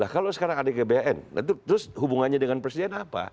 kalau sekarang ada gbhn terus hubungannya dengan presiden apa